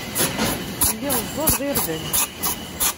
Lliɣ ẓẓadeɣ irden.